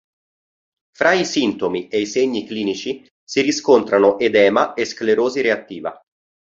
Fra i sintomi e i segni clinici si riscontrano edema e sclerosi reattiva.